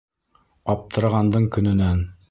Аптырағандың көнөнән...